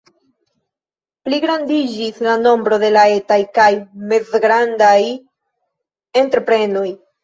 Pligrandiĝis la nombro de la etaj kaj mezgrandaj entreprenoj.